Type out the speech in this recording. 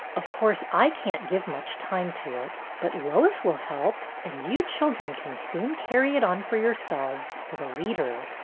Of course I can't give much time to it, but Lois will help, and you children can soon carry it on for your selves, with a leader."